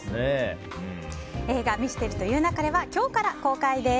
映画「ミステリと言う勿れ」は今日から公開です。